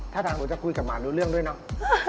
ถ้าทางหนูจะคุยกับหมารู้เรื่องด้วยเนาะ